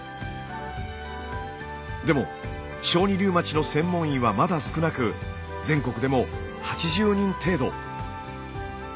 でも小児リウマチの専門医はまだ少なく全国でも８０人程度。